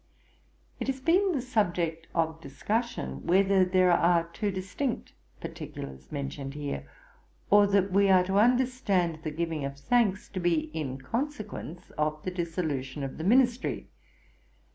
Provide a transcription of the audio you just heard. It has been the subject of discussion, whether there are two distinct particulars mentioned here? or that we are to understand the giving of thanks to be in consequence of the dissolution of the Ministry?